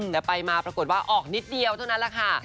แต่ไปมาปรากฏว่าออกนิดเดียวเท่านั้นแหละค่ะ